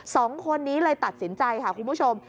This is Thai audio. สองคนนี้เลยตัดสินใจค่ะคุณผู้ชม